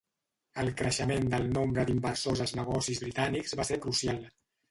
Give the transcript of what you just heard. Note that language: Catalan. El creixement del nombre d'inversors als negocis britànics va ser crucial.